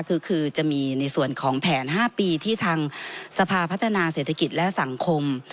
คือจะมีในส่วนของแผน๕ปีที่ทางสภาพัฒนาเศรษฐกิจและสังคม